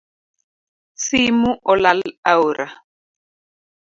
Simu olal aora